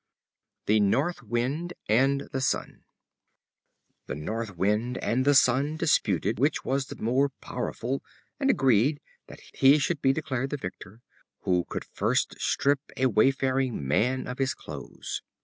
The North Wind and the Sun. The North Wind and the Sun disputed which was the more powerful, and agreed that he should be declared the victor who could first strip a wayfaring man of his clothes.